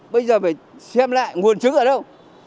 bây giờ phải xem lại nguồn trứng ở đâu